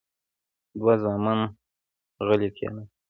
دوه زامن غلي کېناستل.